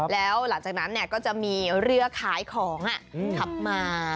แล้วหลังจากนั้นก็จะมีเรือขายของขับมา